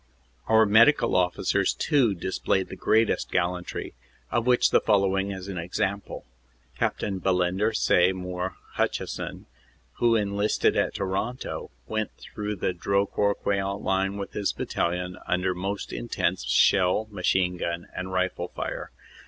Our medical officers too displayed the greatest gallantry, of which the following is an example. Capt. Bellender Sey mour Hutcheson, who enlisted at Toronto, went through the Drocourt Queant line with his battalion, under most intense shell, machine gun and rifle fire.